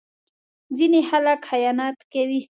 ځینې خلک خیانت کوي.